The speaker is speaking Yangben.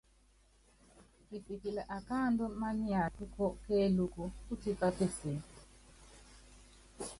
Kisikili akáandú manyátúkú kéelúku, pútipá peseé.